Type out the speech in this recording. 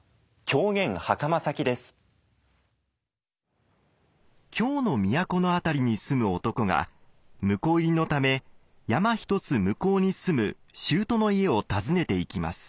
京の都の辺りに住む男が聟入りのため山一つ向こうに住む舅の家を訪ねていきます。